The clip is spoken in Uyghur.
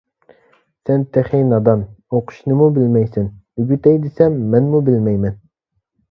سەن تېخى نادان، ئوقۇشنىمۇ بىلمەيسەن. ئۆگىتەي دېسەم مەنمۇ بىلمەيمەن.